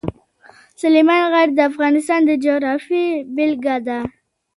سلیمان غر د افغانستان د جغرافیې بېلګه ده.